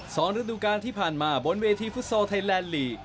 ฤดูการที่ผ่านมาบนเวทีฟุตซอลไทยแลนด์ลีก